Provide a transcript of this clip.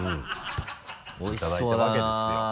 いただいたわけですよ。